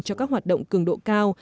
cho các hoạt động cường độ cao